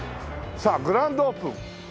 さあグランドオープン。